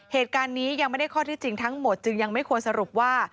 เหตุการณ์นี้ยังไม่ได้ข้อที่จริงทั้งหมดจึงยังไม่ควรสรุปว่า